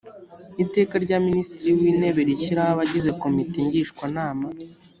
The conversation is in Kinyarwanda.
iteka rya minisitiri w intebe rishyiraho abagize komite ngishwanama